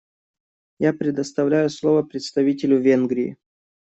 Я предоставляю слово представителю Венгрии.